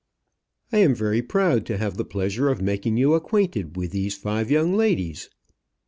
"I am very proud to have the pleasure of making you acquainted with these five young ladies."